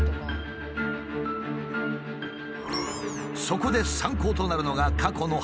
そこで参考となるのが過去の判例。